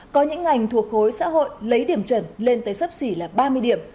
có những ngành thuộc khối xã hội lấy điểm chuẩn lên tới sấp xỉ là ba mươi điểm